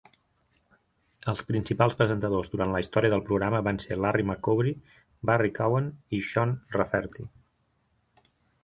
Els principals presentadors durant la història del programa van ser Larry McCoubrey, Barry Cowan i Sean Rafferty.